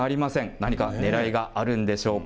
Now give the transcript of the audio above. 何かねらいがあるんでしょうか。